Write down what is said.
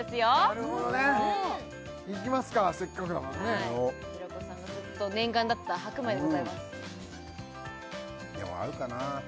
なるほどねいきますかせっかくだからね平子さんがずっと念願だった白米がございますでも合うかな？